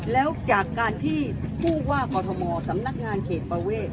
แล้วจากการที่ผู้ว่ากธสำนักงานเขตไป